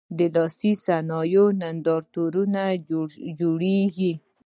د لاسي صنایعو نندارتونونه جوړیږي؟